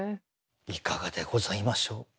いかがでございましょう？